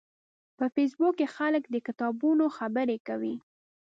په فېسبوک کې خلک د کتابونو خبرې کوي